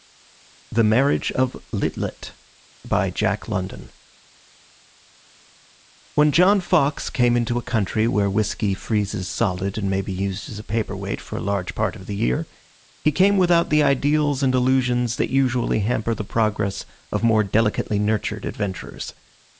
THE MARRIAGE OF LIT LIT When John Fox came into a country where whisky freezes solid and may be used as a paper weight for a large part of the year, he came without the ideals and illusions that usually hamper the progress of more delicately nurtured adventurers.